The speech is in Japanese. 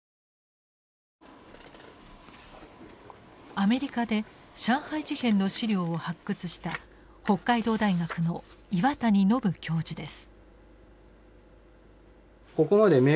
アメリカで上海事変の資料を発掘した北海道大学の岩谷將教授です。